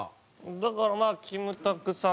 だからまあキムタクさんと。